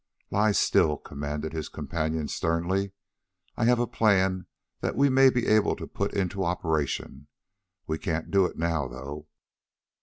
"Lie still!" commanded his companion sternly. "I have a plan that we may be able to put into operation. We can't do it now, though."